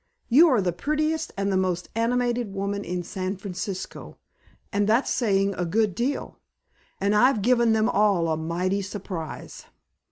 You are the prettiest and the most animated woman in San Francisco, and that's saying a good deal. And I've given them all a mighty surprise."